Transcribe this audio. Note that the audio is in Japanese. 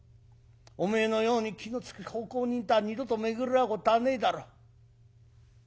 おめえのように気のつく奉公人とは二度と巡り合うことはねえだろう」。